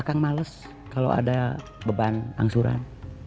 akang males kalo ada beban angsuran